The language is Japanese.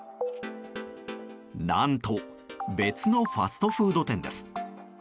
何と別のファストフード店です。